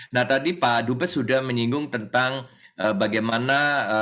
nah tadi pak dubes sudah menyinggung tentang bagaimana